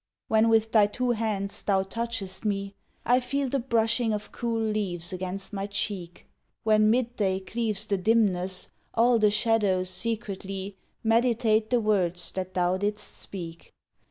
When with thy two hands thou touchest me, I feel the brushing of cool leaves Against my cheek; When midday cleaves The dimness, all the shadows secretly Meditate the words that thou didst speak.